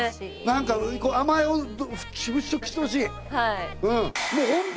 何か甘えを払拭してほしい。